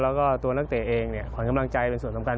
แล้วก็ตัวนักเตะเองขวัญกำลังใจเป็นส่วนสำคัญ